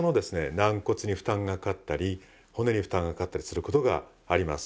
軟骨に負担がかかったり骨に負担がかかったりすることがあります。